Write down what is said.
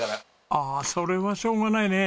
ああそれはしょうがないね。